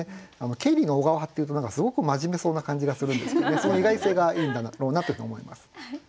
「経理の小川」っていうとすごく真面目そうな感じがするんですけどその意外性がいいんだろうなというふうに思います。